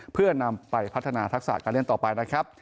เพื่อนำไปพัฒนาทักษะการเล่นต่อไปนะครับ